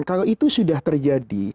kalau itu sudah terjadi